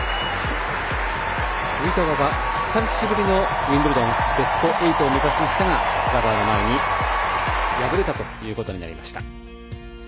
クビトバは久しぶりのウィンブルドンベスト８を目指しましたがジャバーの前に敗れたということになりました。